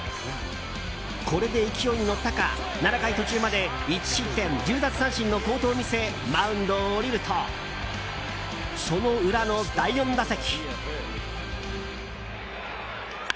これで勢いに乗ったか７回途中まで１失点、１０奪三振の好投を見せマウンドを降りるとその裏の第４打席。